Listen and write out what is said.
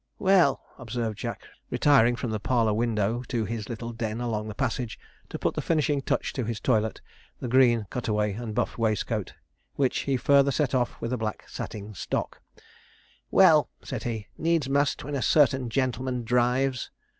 'Well,' observed Jack, retiring from the parlour window to his little den along the passage, to put the finishing touch to his toilet the green cutaway and buff waistcoat, which he further set off with a black satin stock 'Well,' said he, 'needs must when a certain gentleman drives.'